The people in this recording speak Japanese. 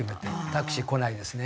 タクシー来ないですね。